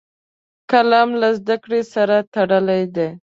قلم له زده کړې سره تړلی دی